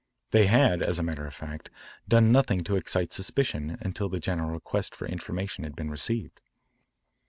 They had, as a matter of fact, done nothing to excite suspicion until the general request for information had been received.